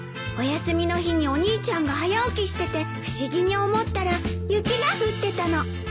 お休みの日にお兄ちゃんが早起きしてて不思議に思ったら雪が降ってたの。